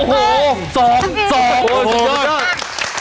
โอ้โหสองสองสุดยอด